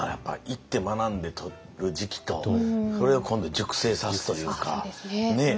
行って学んでとる時期とそれを今度熟成さすというか。